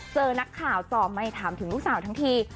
เจอนักข่าวจ่อไมค์ถามถึงลูกสาวทั้งที